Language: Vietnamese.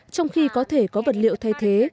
trong khi có thể có vật liệu thay thế